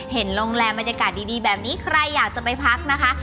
เห็นโรงแรมบรรยากาศดีแบบนี้ใครอยากจะไปพักนะคะ